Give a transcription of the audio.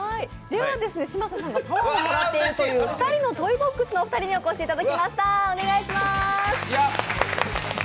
では、２人のトイボックスのお二人にお越しいただきました。